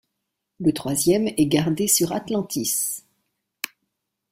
Le troisième est gardé sur Atlantis.